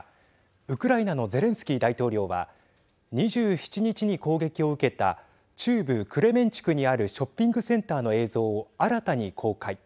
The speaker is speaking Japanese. ウクライナのゼレンスキー大統領は２７日に攻撃を受けた中部クレメンチュクにあるショッピングセンターの映像を新たに公開。